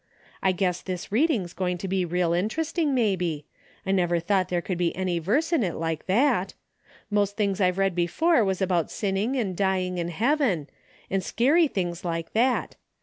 I guess this reading's going to be real interesting, maybe. I never thought there could be any verse in it like that. Most things I've read before was about sinning and dying and heaven, and scarey 254 A DAILY RATE.'^ things like that.